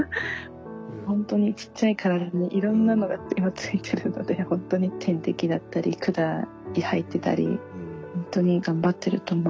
ほんとにちっちゃい体にいろんなのが今ついてるのでほんとに点滴だったり管入ってたりほんとに頑張ってると思います今。